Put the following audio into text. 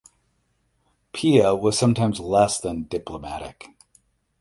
Pilla was sometimes less than diplomatic.